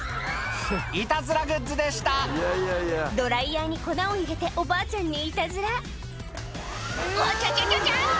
いたずらグッズでしたドライヤーに粉を入れておばあちゃんにいたずら「わちゃちゃちゃちゃ！」